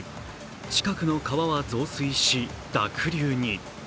近くの川は増水し、濁流に。